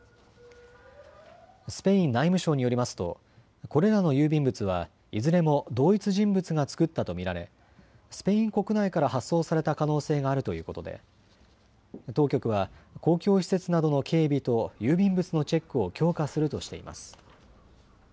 スペイン内務省によりますとこれらの郵便物はいずれも同一人物が作ったと見られスペイン国内から発送された可能性があるということで当局は公共施設などの警備と郵便物のチェックを強化するとしています。